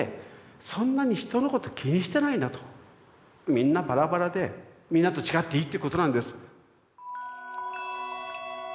みんなバラバラでみんなと違っていいってことなんです。